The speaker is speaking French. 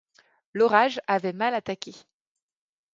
L’orage avait mal attaqué.